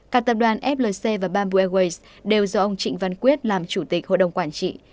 cả tập đoàn flc và bamboo airways đều do ông trịnh văn quyết làm chủ tịch hội đồng quản trị